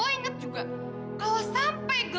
sekarang juga kamu mau